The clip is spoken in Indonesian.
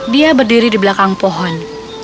dia berdiri di belakang pohon